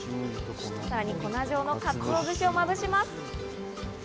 さらに粉塩のかつおぶしをまぶします。